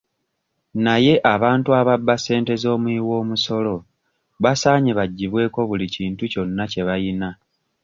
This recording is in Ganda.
Naye abantu ababba ssente z'omuwiwoomusolo basaanye baggyibweko buli kintu kyonna kye bayina.